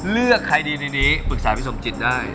เลือกใครดีในนี้ปรึกษาพี่สมจิตได้